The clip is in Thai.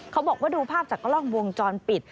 บอกว่าดูภาพจากกล้องวงจรปิด